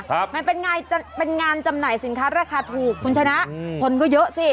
ครับมันเป็นงานจำหน่ายสินค้าราคาถูกคุณชนะคนก็เยอะสิ